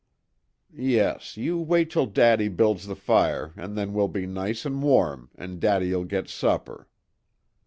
"Yes, you wait till daddy builds the fire an' then we'll be nice an' warm, an' daddy'll get supper."